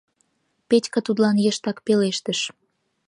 — Петька тудлан йыштак пелештыш.